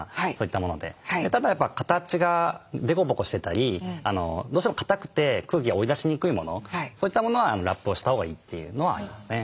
ただ形が凸凹してたりどうしても硬くて空気が追い出しにくいものそういったものはラップをしたほうがいいというのはありますね。